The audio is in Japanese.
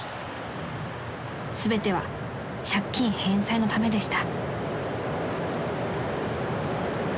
［全ては借金返済のためでした］